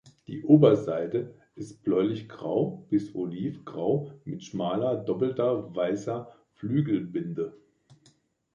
Die Oberseite ist bläulichgrau bis olivgrau mit schmaler doppelter weißer Flügelbinde.